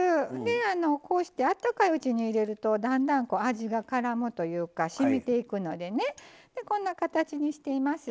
こうしてあったかいうちに入れるとだんだん味がからむというかしみていくのでねこんな形にしています。